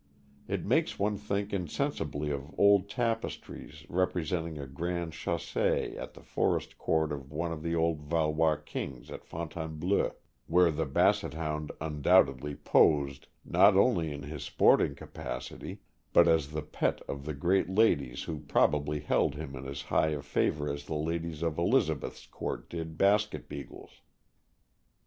It makes one think insensibly of old tapestries rep resenting a grand cTiasse at the forest court of one of the old Valois kings at Fontainbleau, where the Basset Hound undoubtedly "posed," not only in his sporting capacity, but as the pet of the great ladies, who probably held him in as high favor as the ladies of Elizabeth's court did Basket Beagles.